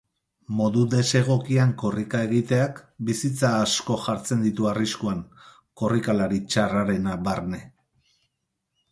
Modu desegokian korrika egiteak bizitza asko jartzen ditu arriskuan, korrikalari txarrarena barne.